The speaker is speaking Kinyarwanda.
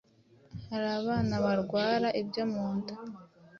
hari abana barwara ibyo mu nda